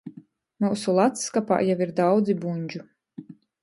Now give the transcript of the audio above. Myusu ladsskapā jau ir daudzi buņdžu.